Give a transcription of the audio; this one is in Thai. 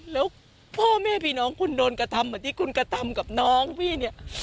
แล้วพ่อแม่พี่น้องคุณโดนกระทำเหมือนที่คุณกระทำกับน้องพี่เนี่ย